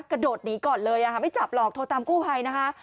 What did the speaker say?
กระโดดหนีก่อนเลยไม่จับหรอกโทรตามกู้ภัยนะคะ